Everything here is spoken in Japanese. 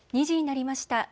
２時になりました。